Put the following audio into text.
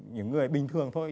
những người bình thường thôi